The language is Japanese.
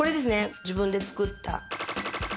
自分で作った。